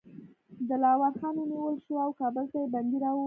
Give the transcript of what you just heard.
دلاور خان ونیول شو او کابل ته یې بندي راووست.